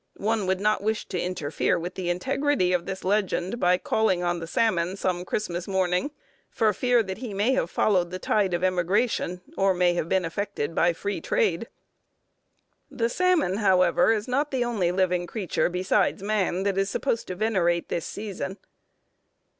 One would not wish to interfere with the integrity of this legend, by calling on the salmon some Christmas morning, for fear that he may have followed the tide of emigration, or may have been affected by free trade. The salmon, however, is not the only living creature, besides man, that is supposed to venerate this season.